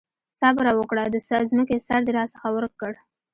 صبره وکړه! د ځمکې سر دې راڅخه ورک کړ.